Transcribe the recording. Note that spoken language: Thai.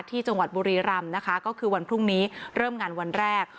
ที่จังหวัดบุรีรำนะคะก็คือวันพรุ่งนี้เริ่มงานวันแรก